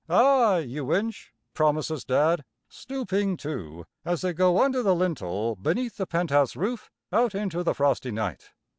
"Ay, you inch," promises Dad, stooping, too, as they go under the lintel beneath the penthouse roof, out into the frosty night.